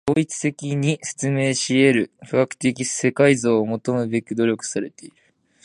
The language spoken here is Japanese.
統一的に説明し得る科学的世界像を求むべく努力されている。